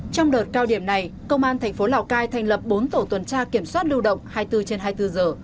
trong đợt cao điểm này công an thành phố lào cai thành lập bốn tổ tuần tra kiểm soát lưu động hai mươi bốn trên hai mươi bốn giờ